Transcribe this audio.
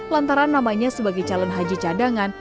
lantaran namanya sebagai calon haji cadangan